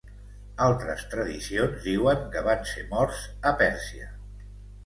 Altres tradicions diuen que van ser morts a Pèrsia.